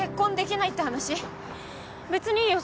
別にいいよ